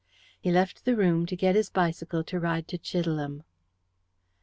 He left the room to get his bicycle to ride to Chidelham.